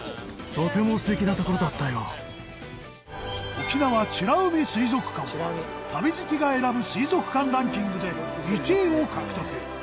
沖縄美ら海水族館は旅好きが選ぶ水族館ランキングで１位を獲得。